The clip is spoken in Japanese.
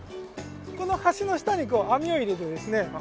この橋の下に網を入れてですね